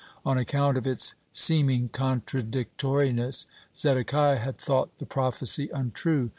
On account of its seeming contradictoriness, Zedekiah had thought the prophecy untrue.